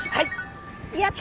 やった！